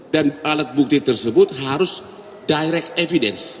dan alat bukti tersebut harus direct evidence